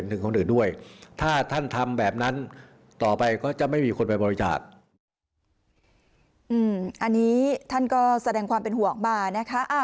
อันนี้ท่านก็แสดงความเป็นห่วงมานะคะ